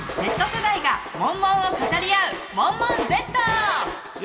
Ｚ世代がモンモンを語り合う「モンモンＺ」。